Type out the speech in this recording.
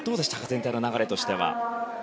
全体の流れとしては。